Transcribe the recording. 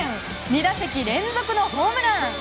２打席連続のホームラン！